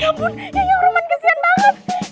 ya ampun yang roman kesian banget